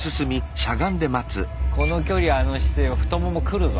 この距離あの姿勢は太ももくるぞ。